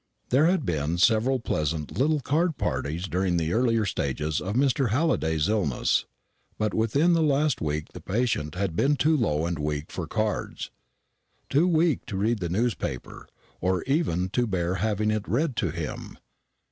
There had been several pleasant little card parties during the earlier stages of Mr. Halliday's illness; but within the last week the patient had been too low and weak for cards too weak to read the newspaper, or even to bear having it read to him.